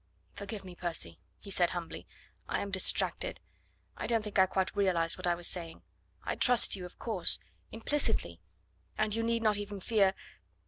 "Forgive me, Percy," he said humbly; "I am distracted. I don't think I quite realised what I was saying. I trust you, of course ... implicitly... and you need not even fear...